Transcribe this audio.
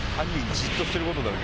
じっとしてることになる。